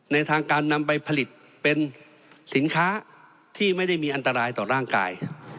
ทางการนำไปผลิตเป็นสินค้าที่ไม่ได้มีอันตรายต่อร่างกาย